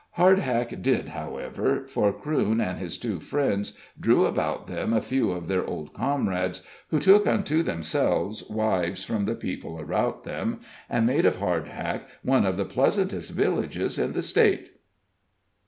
Hardhack did, however, for Crewne and his two friends drew about them a few of their old comrades, who took unto themselves wives from the people about them, and made of Hardhack one of the pleasantest villages in the State.